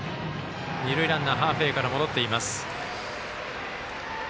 二塁ランナーハーフウエーから戻っています。